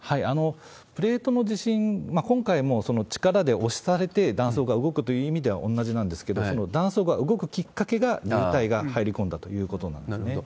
プレートの地震、今回も力で押されて断層が動くという意味では同じなんですけれども、その断層が動くきっかけが、流体が入り込んだということなんなるほど。